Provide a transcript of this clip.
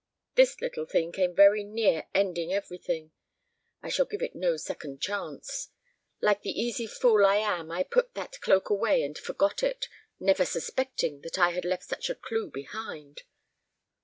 "This little thing came very near ending everything. I shall give it no second chance. Like the easy fool I am I put that cloak away and forgot it, never suspecting that it had left such a clew behind.